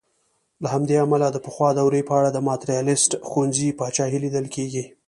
له همدې امله د پخوا دورې په اړه د ماتریالیسټ ښوونځي پاچاهي لیدل کېږي.